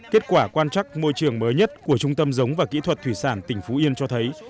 kết quả quan trắc môi trường mới nhất của trung tâm giống và kỹ thuật thủy sản tỉnh phú yên cho thấy